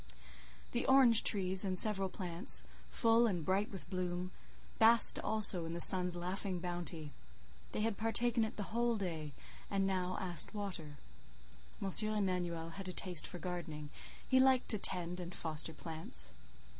The orange trees, and several plants, full and bright with bloom, basked also in the sun's laughing bounty; they had partaken it the whole day, and now asked water. M. Emanuel had a taste for gardening; he liked to tend and foster plants.